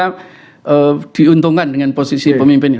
kita diuntungkan dengan posisi pemimpin